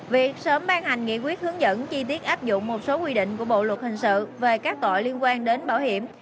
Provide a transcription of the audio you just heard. việc sớm ban hành nghị quyết hướng dẫn chi tiết áp dụng một số quy định của bộ luật hình sự về các tội liên quan đến bảo hiểm